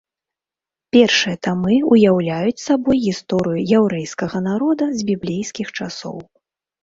Першыя тамы ўяўляюць сабой гісторыю яўрэйскага народа з біблейскіх часоў.